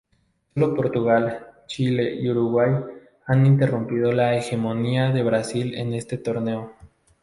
Sólo Portugal, Chile y Uruguay han interrumpido la hegemonía de Brasil en este torneo.